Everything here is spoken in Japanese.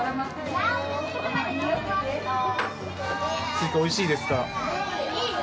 スイカおいしいですか？